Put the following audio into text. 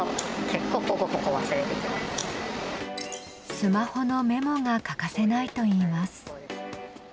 スマホのメモが欠かせないといいます。